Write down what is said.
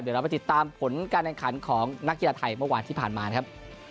เดี๋ยวเราไปติดตามผลการแข่งขันของนักกีฬาไทยเมื่อวานที่ผ่านมานะครับ